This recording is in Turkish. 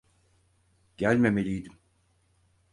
Gelmemeliydim.